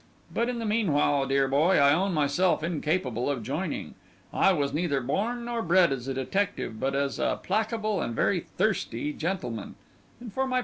But in the meanwhile, dear boy, I own myself incapable of joining. I was neither born nor bred as a detective, but as a placable and very thirsty gentleman; and, for my part, I begin to weary for a drink.